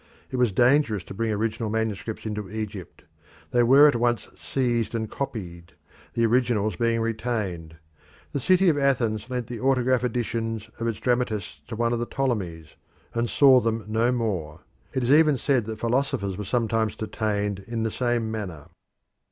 It was dangerous to bring original manuscripts into Egypt they were at once seized and copied, the originals being retained. The city of Athens lent the autograph editions of its dramatists to one of the Ptolemies, and saw them no more. It was even said that philosophers were sometimes detained in the same manner.